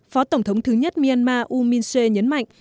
phó tổng thống thứ nhất myanmar u min se nhấn mạnh